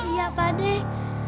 iya pak dek